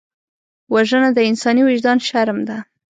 وژنه د انساني وجدان شرم ده